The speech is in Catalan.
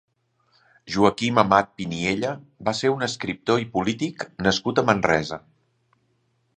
Joaquim Amat-Piniella va ser un escriptor i polític nascut a Manresa.